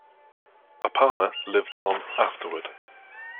Apama lived on afterward.